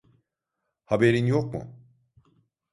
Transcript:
Haberin yok mu?